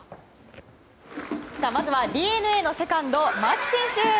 まずはＤｅＮＡのセカンド牧選手。